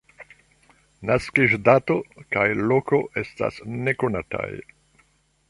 Naskiĝdato kaj -loko estas nekonataj.